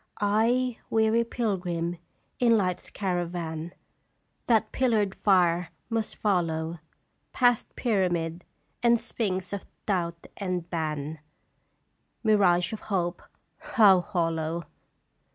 "I, weary pilgrim in Life's caravan, That pillared fire must follow Past pyramid and sphinx of Doubt and Ban, Mirage of Hope, how hollow